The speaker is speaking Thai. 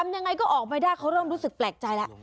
ยังไงก็ออกไม่ได้เขาเริ่มรู้สึกแปลกใจแล้ว